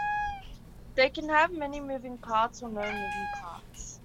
They can have many moving parts or no moving parts.